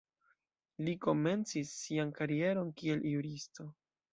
Li komencis sian karieron kiel juristo.